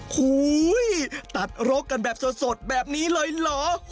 หูยตัดรกกันแบบสดแบบนี้เลยเหรอ